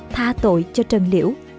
tha tội cho trần liễu